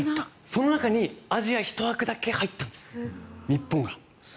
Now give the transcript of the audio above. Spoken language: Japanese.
その中にアジア１枠だけ入ったんです、日本が。